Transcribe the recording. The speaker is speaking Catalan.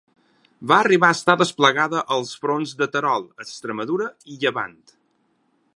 Va arribar a estar desplegada als fronts de Terol, Extremadura i Llevant.